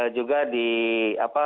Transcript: juga di apa